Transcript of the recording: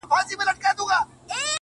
هغه اوس اوړي غرونه غرونه پـــرېږدي،